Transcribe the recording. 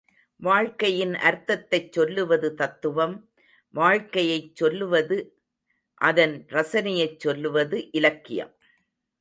வாழ்க்கையின் அர்த்தத்தைச் சொல்லுவது தத்துவம், வாழ்க்கையைக் சொல்வது, அதன் ரசனையைச் சொல்வது இலக்கியம்.